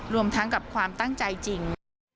รวมทั้งกับความตั้งใจจริง